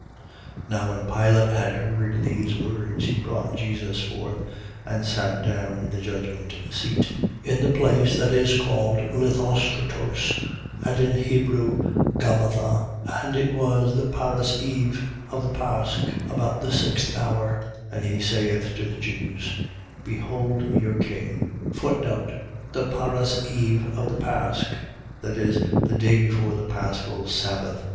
19:13. Now when Pilate had heard these words, he brought Jesus forth and sat down in the judgment seat, in the place that is called Lithostrotos, and in Hebrew Gabbatha. 19:14. And it was the parasceve of the pasch, about the sixth hour: and he saith to the Jews: Behold your king. The parasceve of the pasch. . .That is, the day before the paschal sabbath.